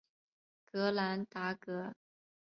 格朗达格。